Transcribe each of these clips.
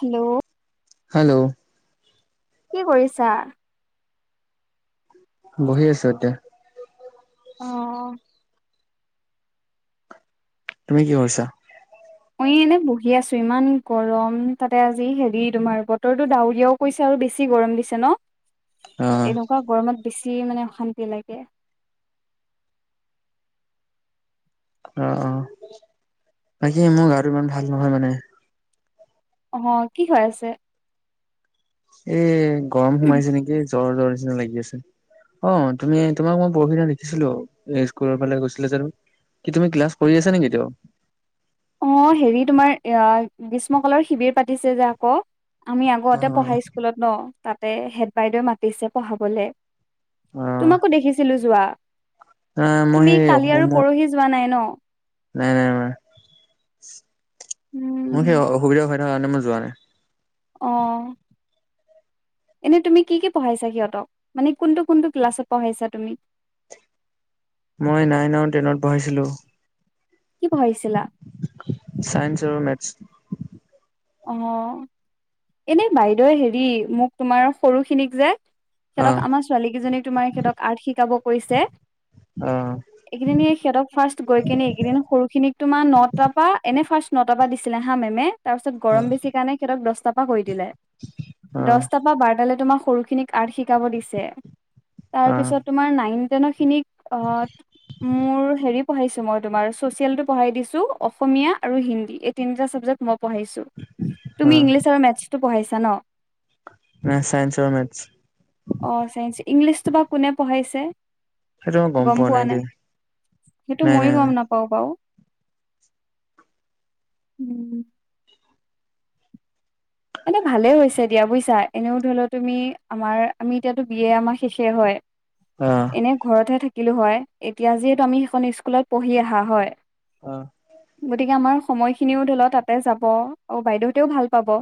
Hello! Hello! কি কৰিছা? বহি আছোঁ ইয়াতে। অ'। তুমি কি কৰিছা? মই এনেই বহি আছোঁ ইমান গৰম তাতে আজি, হেৰি তোমাৰ বতৰটো ডাউৰীয়াও কৈছে আৰু বেছি গৰম দিছে ন! [inaudible] এনেকুৱা গৰমত বেছি মানে অশান্তি লাগে। অ অ বাকী, মোৰ গাটো ইমান ভাল নহয় মানে। অ', কি হৈ আছে? এ, গৰম সোমাইছে নেকি জ্বৰ, জ্বৰ নিচিনা লাগি আছে। অ', তুমি তোমাক মই পৰহিদিনা দেখিছিলোঁ, স্কুলৰ ফালে গৈছিলা যে। কি তুমি ক্লাছ কৰি আছা নেকি এতিয়াও? অ', হেৰি তোমাৰ অ', গ্ৰীষ্ম কালৰ শিবিৰ পাতিছে যে আকৌ। আমি অ আগতে পঢ়া স্কুলত ন' তাতে হেড বাইদেৱে মাতিছে পঢ়াবলে। অ তোমাকো দেখিছিলোঁ যোৱা, নাই মই তুমি সেই কালি আৰু মোৰ পৰহি যোৱা নাই ন'? নাই, নাই, নাই। মোৰ সেই উম, অসুবিধা হৈ থকা কাৰণে মই যোৱা নাই। অ'। এনেই তুমি কি পঢ়াইছা সিহঁতক? মানে কোনটো, কোনটো ক্লাছত পঢ়াইছা তুমি? মই নাইন আৰু টেনত পঢ়াইছিলোঁ। কি পঢ়াইছিলা? চাইন্স আৰু মেথছ। অ', এনে বাইদেউয়ে হেৰি মোক তোমাৰ সৰুখিনিক যে অ সিহঁতক আমাৰ ছোৱালী কেইজনী তোমাৰ সিহঁতক আৰ্ট শিকাব কৈছে। অ এইকেদিন সিহঁতক ফাৰ্ষ্ট গৈ কিনে এইকেইদিন সৰুখিনিক তোমাৰ নটাৰ পা, এনে ফাৰ্ষ্ট নটাৰ পৰা দিছিলে হা মেমে, তাৰপিছত অ গৰম বেছি কাৰণে সিহঁতক দহটাৰ পৰা কৰি দিলে। অ দহ তাৰপৰা বাৰতালে তোমাৰ সৰু খিনিক আৰ্ট শিকাব দিছে। অ তাৰপিছত তোমাৰ নাইন টেনৰ খিনিক অ' মোৰ হেৰি পঢ়াইছোঁ মই তোমাৰ ছচিয়েলতটো পঢ়াই দিছোঁ, অসমীয়া আৰু হিন্দী এই তিনিটা চাবজেক্ট মই পঢ়াইছো। অ তুমি ইংলিছ আৰু মেথছটো পঢ়াইছা ন? নাই, চাইন্স আৰু মেথছ। অ', চাইন্স। ইংলিছটো বা কোনে পঢ়াইছে! গম পোৱা নাই। সেইটো নাই মই নাই নাই গম নাপাওঁ বাৰু। [inaudible] এনে ভালে হৈছে দিয়া বুইছা। এনেও ধৰি লওঁ তুমি আমাৰ আমি এতিয়াতো বি এ আমাৰ শেষে হয়। অ'। এনেই ঘৰতহে থাকিলোঁ হয়, এতিয়া যিহেতু আমি সেইখন স্কুলত পঢ়ি অহা হয়। অ'। গতিকে আমাৰ সময়খিনিও ধৰি ল' তাতে যাব আৰু বাইদেউহঁতেও ভাল পাব।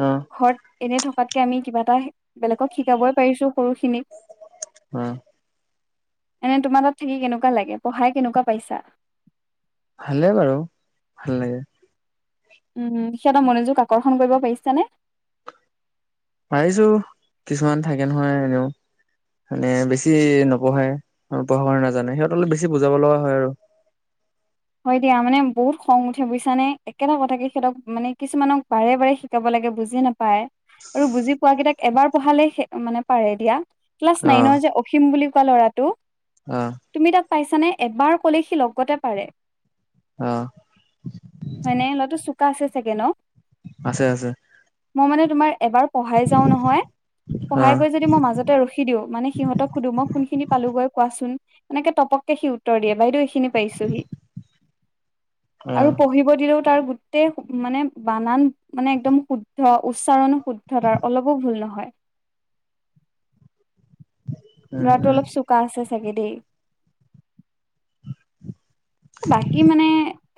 অ'। ঘৰত এনে থকাতকে আমি কিবা এটা, বেলেগক শিকাবই পাৰিছোঁ সৰুখিনি। উম। এনে তোমাৰ তাত থাকি কেনেকুৱা লাগে? পঢ়াই কেনেকুৱা পাইছা? ভালে বাৰু ভাল লাগে। উম সিহঁতৰ মনোযোগ আকৰ্ষণ কৰিব পাৰিছানে? পাৰিছো কিছুমান থাকে নহয় এনেও। মানে বেছি নপঢ়ে আৰু পঢ়াব নাজানে সিহঁতক অলপ বেছি বুজাব লগা হয় আৰু। হয় দিয়া মানে বহুত খং উঠে বুজিছানে একেটা কথাকে সিহঁতক মানে কিছুমানক বাৰে বাৰে শিকাব লাগে বুজি না- পায়। আৰু বুজি পোৱা কেইটাক এবাৰ পঢ়ালে মানে পাৰে দিয়া। ক্লাছ নাইনৰ যে অসীম বুলি কোৱা ল'ৰাটো- আঁ তুমি তাক পাইছা নে? এবাৰ কলে সি লগতে পাৰে। আ‍ঁ হয়নে? ল'ৰাটো চোকা আছে চাগে ন? আছে আছে। মই মানে তোমাৰ এবাৰ পঢ়াই যাও নহয়, পঢ়াই অ', গৈ যদি মই মাজত- তে ৰখি দিও মানে সিহঁতক সুধো মই কোন খিনি পালোগৈ কোৱাচোন? এনেকে তপককে সি উত্তৰ দিয়ে বাইদেউ এইখিনি পাইছোহি। আৰু অ', পঢ়িব দিলেও তাৰ গোটেই মানে বানান- মানে একদম শুদ্ধ উচ্চাৰণো শুদ্ধ তাৰ অলপো ভুল নহয়। [unintelligible] উম, লৰাটো উম, অলপ চোকা আছে চাগে দেই। বাকী মানে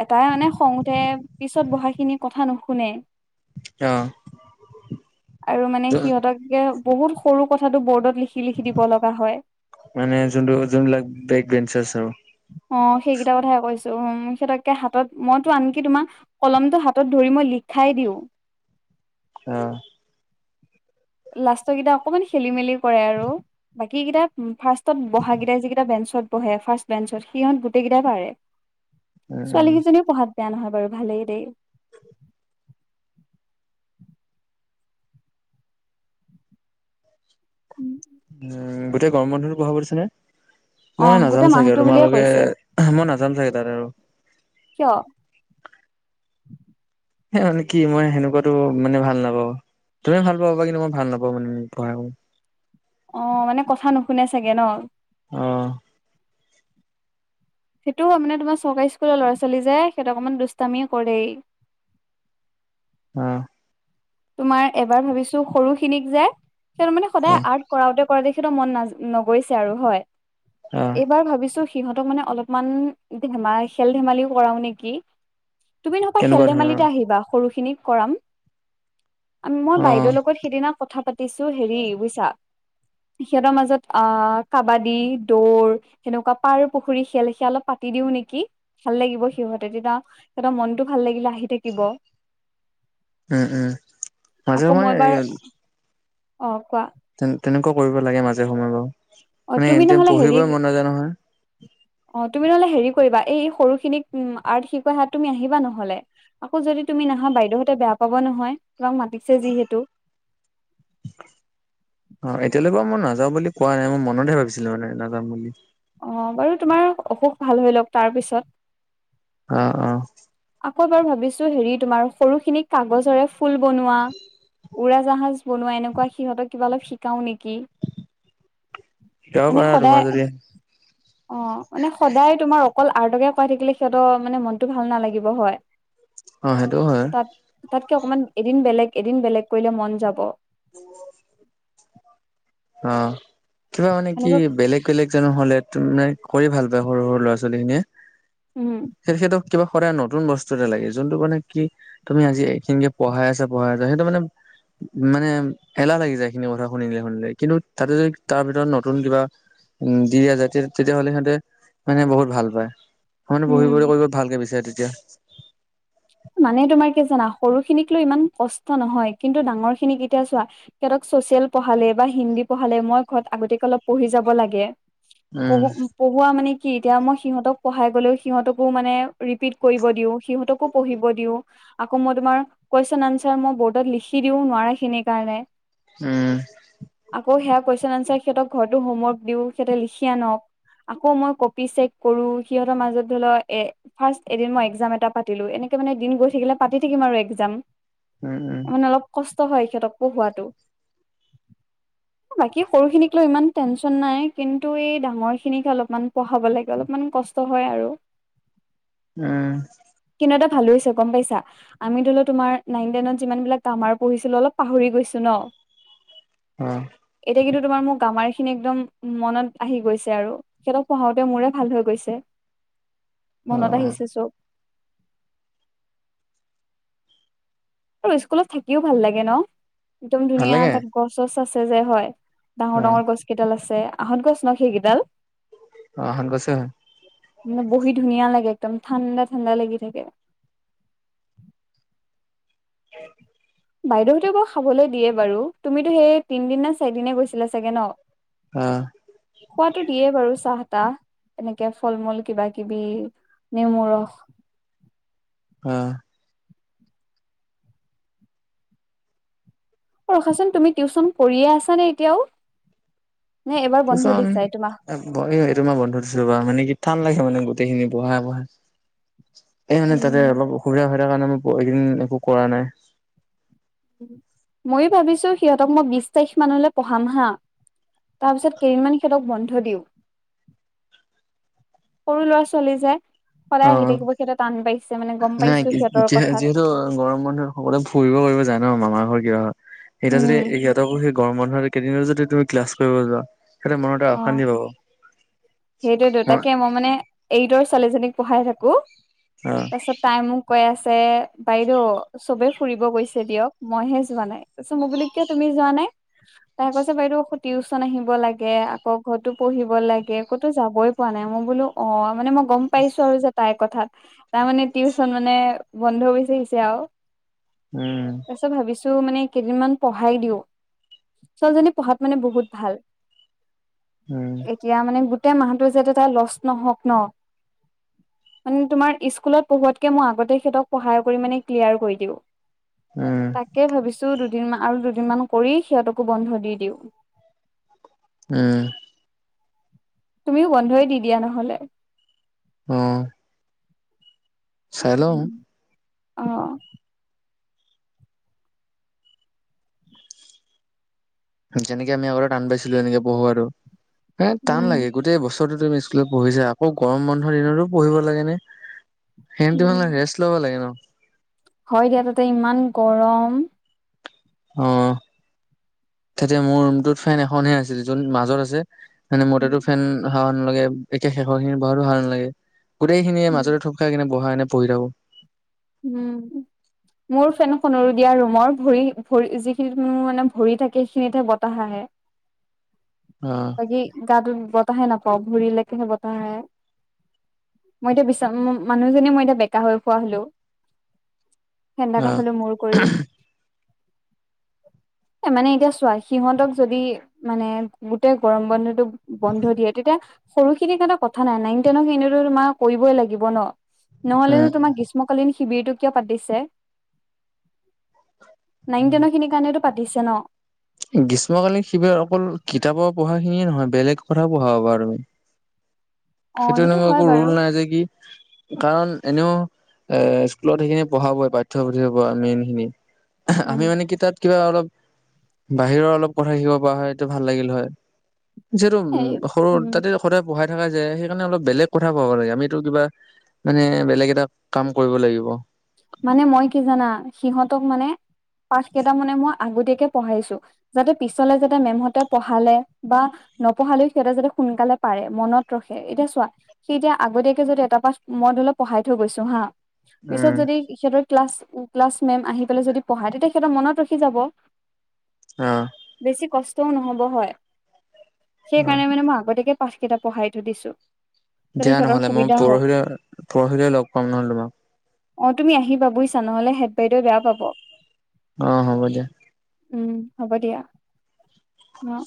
এটাই মানে খং উঠে পিছত বহা খিনি কথা নুশুনে। অ', আৰু মানে সিহঁতক- একে বহুত সৰু কথাটো বৰ্ডত লিখি লিখি দিব লগা হয়। মানে জোন জোনবিলাক বেগ বেঞ্চৰ আৰু। অঁ সেইকেইটা কথাই কৈছো উম সিহঁতকে হাতত মইতো আনকি তোমাৰ- কলমটো হাতত ধৰি মই লিখাই দিওঁ। আঁ লাষ্টৰ কেইটা অকমান খেলি মেলি কৰে আৰু। বাকী কেইটা ফাৰ্ষ্টত বহা কেইটাই যিকেইটা বেঞ্চত বহে ফাৰ্ষ্ট বেঞ্চত সিহঁত গোটেই কেইটাই পাৰে। [unintelligible] ছোৱালী কেইজনীও পঢ়াত বেয়া নহয় বাৰু ভালেই দেই। উম। উম গোটেই গৰম বন্ধটো বঢ়াব দিছে নে? অ মই গোটেই নাজাম চাগে মাহটো আৰু বুলিয়ে কৈছে তোমালোকে- মই নাজাম চাগে তাত আৰু। কিয়? সেই মানে কি মই সেনেকুৱাতো মানে ভাল নাপাওঁ। তুমি ভাল পাবা কিন্তু মই ভাল নাপাওঁ মানে পঢ়াই। অঁ মানে কথা নুশুনে চাগে ন? অঁ সেইটো মানে তোমাৰ চৰকাৰী স্কুলৰ লৰা ছোৱালী যে, সিহঁত অকমান দুষ্টামি কৰেই। অঁ। তোমাৰ এবাৰ ভাবিছো সৰু খিনিক যে, সি মানে সদায় অ', আৰ্ট- কৰাওতে কৰাওতে সেইটো মন নাজ নগৈছে আৰু হয়। অঁ এইবাৰ ভাবিছো সিহঁতক মানে অলপমান ধেমাই খেল ধেমালিও কৰাও নেকি? তুমি নহবা খেল তেনেকুৱা ধৰণৰ ধেমালিতে আহিবা সৰু খিনিক কৰাম। মই অ', বাইদেউৰ লগত সেইদিনা কথা পাতিছো হেৰি বুজিছা। সিহঁতৰ মাজত অ', কাবাডী, দৌৰ সেনেকুৱা পাৰ পুখুৰী খেল সেয়া অলপ পাতি দিও নেকি। ভাল লাগিব সিহঁতে তেতিয়া সিহঁতৰ মনতটো ভাল লাগিলে আহি থাকিব। উম, উম। মাজে আকৌ সময়ে মই বাৰ অ', কোৱা। তে তেনেকুৱা কৰিব লাগে মাজে সময়ে বাৰু অ মানে তুমি এনিটাইম নহলে হেৰি পঢ়িবই মন নাযায় নহয়। অ', তুমি নহলে হেৰি কৰিবা এই সৰুখিনিক আৰ্ট শিকাই হাত তুমি আহিবা নহ'লে। আকৌ যদি তুমি নাহা বাইদেউহতে বেয়া পাব নহয় তোমাক মাতিছে যিহেতু। অ', এতিয়ালৈকে মই নাযাওঁ বুলি কোৱা নাই মই মনতহে ভাবিছিলোঁ মানে নাযাম বুলি। অ', বাৰু তোমাৰ অসুখ ভাল হই লওক তাৰ পিছত। অ', অ'। আকৌ এবাৰ ভাবিছোঁ হেৰি তোমাৰ সৰুখিনি কাগজৰে ফুল বনোৱা উৰা জাহাজ বনোৱা এনেকুৱা সিহঁতক কিবা অলপ শি কাও নেকি শিকাব মানে পাৰা তোমাৰ সদায় যদি অ' মানে সদায় তোমাৰ অকল আৰ্টকে অকাই থাকিলে সিহঁতৰ মানে মনতটো ভাল নালাগিব হয়। অ', সেইটোও হয়। তাত তাতকে অকণমান এদিন বেলেগ এদিন বেলেগ কৰিলে মন যাব। ত [unintelligible] অ', কিবা মানে কি সেনেকুৱা বেলেগ বেলেগ জানো হ'লে ত মানে কৰি ভাল পায় সৰু, সৰু ল'ৰা ছোৱালী খিনিয়ে উম সেইহতক কিবা কৰা নতুন বস্তু এটা লাগে, যোনটো মানে কি তুমি আজি এইখিনিকে পঢ়াই আছা পঢ়াই আছা সেইটো মানে মানে এলাহ লাগি যায় এইখিনি কথা শুনিলে শুনিলে কিন্তু তাতে যদি তাৰ ভিতৰত নতুন কিবা উম'দি আছে তেতিয়াহ'লে সিহঁতে মানে বহুত ভাল পায়। মানে পঢ়ি, উম পঢ়ি কৰিব ভালকে বিচাৰে তেতিয়া। মানে তোমাৰ কি জানা সৰু খিনিক লৈ ইমান কষ্ট নহয়, কিন্তু ডাঙৰ খিনি এতিয়া চোৱা সিহঁতক ছচিয়েল পঢ়ালে বা হিন্দী পঢ়ালে মই ঘৰত আগতিয়াকৈ অলপ পঢ়ি যাব লাগে। উম [unintelligible] পঢ়োৱা মানে কি এতিয়া মই সিহঁতক পঢ়াই গ'লেও সিহঁতকো মানে ৰিপিট কৰিব দিওঁ, সিহঁতকো পঢ়িব দিওঁ। আকৌ, মই তোমাৰ কুৱেশন আনচাৰ মই বৰ্ডত লিখি দিও নোৱাৰা খিনিৰ কাৰণে। উম। আকৌ, সেয়া কুৱেশন এনচাৰ সিহতক ঘৰতো হোমৱৰ্ক দিও সিহঁতে লিখি আনক। আকৌ, মই কপি চেক কৰো সিহঁতৰ মাজত ধৰি লওক এ ফাষ্ট এদিন মই এক্সাম এটা পাতিলো এনেকে মানে দিন গৈ থাকিলে পাতি থাকিম আৰু এক্সাম। উম, উম। মানে অলপ কষ্ট হয় সিহঁতক পঢ়োৱাটো। [inaudible] বাকী সৰুখিনিক লয় ইমান টেনচন নাই? কিন্তু, এই ডাঙৰ খিনিকে অলপমান পঢ়াব লাগে অলপমান কষ্ট হয় আৰু। উম। কিন্তু এটা ভালো হৈছে গ'ম পাইছা। আমি ধৰিলও তোমাৰ নাইন টেনত যিমান বিলাক গ্ৰামাৰ পঢ়িছিলো অলপ পাহৰি গৈছোঁ ন। অ'। এতিয়া কিন্তু তোমাৰ মোক গ্ৰামাৰখিনি একদম মনত আহি গৈছে আৰু। সিহঁতক পঢাওঁতে মোৰে ভাল হৈ গৈছে। [inaudible] অ অ মনত আহিছে চব। আৰু স্কুলত থাকিও ভাল লাগে ন? একদম ভাল ধুনীয়া লাগে তাত গছ চছ আছে যে হয়। অ ডাঙৰ ডাঙৰ গছ কেইডাল আছে। আহঁত গছ ন সেইকেইডাল? অ আহত গছে হয়। বহি ধুনীয়া লাগে একদম ঠাণ্ডা ঠাণ্ডা লাগি থাকে। [unintelligible] বাইদেউহতে বাও খাবলে দিয়ে বাৰু, তুমিতো সেই তিনদিন নে চাৰিদিনে গৈছিলা চাগে ন? অ'। খোৱাতো দিয়ে বাৰু চাহ, তাহ। এনেকে ফল মূল কিবা কিবি, নেমু ৰস। অ'। অ ৰখা চোন তুমি টিউচন কৰিয়ে আছা নে এতিয়াও? নে এবাৰ বন্ধ টিউচন দিছে এইটো মাহ? এইটো মাহ বন্ধ দিছোঁ ৰবা, মানে কি টান লাগে মানে গোটেই খিনি পঢ়াই পঢ়াই। এ মানে তাতে উম অলপ অসুবিধা হয় থকা কাৰণে মই এইকেইদিন একো কৰা নাই। মই ভাবিছো সিহঁতক মই বিশ তাৰিখ মানলে পঢ়াম হা। তাৰ পিছত কেইদিনমান সিহঁতক বন্ধ দিওঁ। সৰু ল'ৰা - ছোৱালী যে, অ সদায় আহি অ থাকিব সিহঁতে টান পাইছে মানে গম নাই পাইছো সিহঁতৰ কথাত। যিহেতু গৰম বন্ধত সকলোৱে ফুৰিব কৰিব যায় ন। মামা ঘৰ কিবা ঘৰ। এতিয়া যদি সিহঁতকো সেই গৰম বন্ধ কেইদিনো যদি তুমি ক্লাছ কৰিব যোৱা। সিহঁতে মনত এটা অ' অশান্তি পাব সেইটোৱেটো, তাকে মই মানে এইটৰ ছোৱালীজনীক পঢ়াই থাকো। অ'। পিছত তাই মোক কৈ আছে বাইদেউ চবে ফুৰিব গৈছে দিয়ক মইহে যোৱা নাই, তাৰছত মই বোলো কিয় তুমি যোৱা নাই? তাই কৈছে বাইদেউ আকৌ টিউচন আহিব লাগে। আকৌ ঘৰতো পঢ়িব লাগে, ক'তো যাবই পোৱা নাই, মই বোলো অ' মানে মই গম পাইছো আৰু যে তাই কথাত, তাৰমানে টিউচন মানে বন্ধ বিচাৰিছে আৰু। উম। তাৰপিছত ভাবিছো মানে কেইদিনমান পঢ়াই দিওঁ, ছোৱালীজনী পঢ়াত মানে বহুত ভাল। উম। এতিয়া মানে গোটেই মাহটো যাতে তাইৰ লচ নহওক ন। মানে তোমাৰ স্কুলত পঢ়োৱাতকে মই আগতে সিহঁতক পঢ়ায় কৰি মানে ক্লিয়াৰ কৰি দিওঁ। উম। তাকে ভাবিছো, দুদিন আৰু দুদিনমান কৰি সিহঁতকো বন্ধ দি দিওঁ। উম। তুমিও বন্ধই দি দিয়া নহলে। উম। চাই লওঁ। অ। যেনেকে আমি আগতে টান পাইছিলো এনেকে পঢ়োৱাতো, এ টান উম লাগে গোটেই ব তুমি স্কুলত পঢ়িছাই, আকৌ গৰম বন্ধৰ দিনতো পঢ়িব লাগে নে। সিহঁতি মানে ৰেষ্ট ল'ব লাগে ন। হয় দিয়া তাতে ইমান গৰম। অহ' তাতে মোৰ ৰুমটোত ফেন এখনহে আছিল, য'ত মাজত আছে। মানে মোৰ তাতো ফেন হাৱা নালাগে, একে শেষৰ খিনি বহাতো হাৱা নালাগে। গোটেইখিনিয়ে মাজতে থূপ খাই কেনে, বহা এনে পঢ়ি থাকো। উম। মোৰ ফেনখনৰো দিয়া ৰুমৰ ভৰি, ভৰি যিখিনি মোৰ মানে ভৰি থাকে, সেইখিনিতহে বতাহ আহে। অহ'। এই গা টোত বতাহে নাপাও, ভৰিলৈকেহে বতাহ আহে। মই এতিয়া বিচনাত, মানুহজনী মই এতিয়া বেকা হৈ ফুৰা হ'লো। ফেন অ ডালৰ ফালে মূৰ কৰি। এ মানে, এতিয়া চোৱা সিহঁতক যদি মানে গোটেই গৰম বন্ধটো ব-বন্ধ দিয়ে, তেতিয়া সৰুখিনিৰ কাৰণে কথা নাই। নাইন-টেনৰ খিনি এনেওতো তোমাৰ কৰিবই লাগিব ন। উম নহলেনো তোমাক গ্ৰীষ্মকালীন শিবিৰটো কিয় পাতিছে। নাইন-টেনৰ খিনিৰ কাৰণেটো পাতিছে ন। গ্ৰীষ্ম কালীন শিবিৰ অকল কিতাপৰ পঢ়া খিনিয়ে নহয়, বেলেগ কথা পঢ়াব পাৰো। অ সেইটো এনেকুৱা হয় একো বাৰু ৰোল নাই যে কি, কাৰণ এনেও এ স্কুলত সেইখিনি পঢ়াবই পাঠ্যপুথিৰ পৰা, মেইন খিনি। উম আমি মানে কি তাত কিবা অলপ বাহিৰৰ অলপ কথা শিকিব পৰা হয়, এইটো ভাল লাগিল হয়। যিহেতু উম, এই সৰু উম তাতে সদায় পঢ়াই থকা যায়, সেইকাৰণে অলপ বেলেগ কথা পঢ়াব লাগে আমিতো কিবা মানে বেলেগ এটা কাম কৰিব লাগিব। মানে মই কি জানা, সিহঁতক মানে পাঠ কেইটা মানে মই আগতীয়াকে পঢ়াইছো। যাতে পিছলে যাতে মেমহঁতে পঢ়ালে বা নপঢ়ালেও সিহঁতে যাতে সোনকালে পাৰে, মনত ৰখে, এতিয়া চোৱা সি এতিয়া আগতীয়াকে যদি এটা পাঠ, মই ধৰিল পঢ়াই থৈ গৈছো হা। পিছত উম যদি সিহঁতৰ ক্লাছ, ক্লাছ মেম আহি পেলাই যদি পঢ়ায়, তেতিয়া সিহঁতৰ মনত ৰখি যাব। অহ'। বেছি কষ্টও নহ'ব হয়। অ সেইকাৰণে মানে মই আগতীয়াকে পাঠকেইটা পঢ়াই থৈ দিছোঁ। দিয়া নহ'লে মই পৰহিলৈ, পৰহিলৈ লগ পাম নহ'লে তোমাক। অ তুমি আহিবা বুজিছা, নহ'লে হেড বাইদেৱে বেয়া পাব। অ' হ'ব দিয়া। উম, হ'ব দিয়া, ন'।